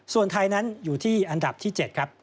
ส่วนไทยนั้นอยู่ที่อันดับที่๗ครับ